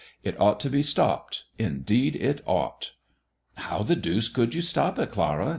It ought to be stopped; indeed, it ought." "How the deuce would you stop it, Clara?"